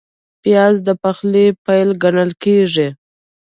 پیاز د پخلي پیل ګڼل کېږي